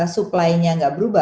supplynya gak berubah